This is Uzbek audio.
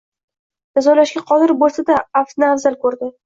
Jazolashga qodir bo‘lsa-da, afvni afzal ko‘rdi